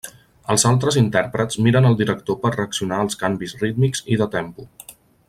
Els altres intèrprets miren el director per reaccionar als canvis rítmics i de tempo.